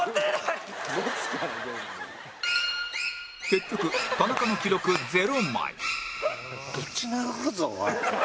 結局田中の記録０枚